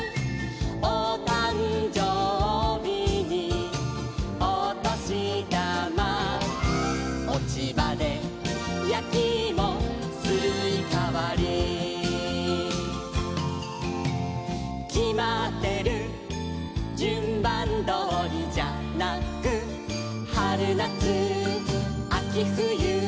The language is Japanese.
「おたんじょうびにおとしだま」「おちばでやきいもすいかわり」「きまってるじゅんばんどおりじゃなく」「はるなつあきふゆ」